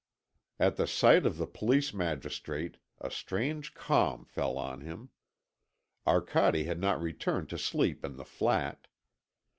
At the sight of the police magistrate a strange calm fell on him. Arcade had not returned to sleep in the flat.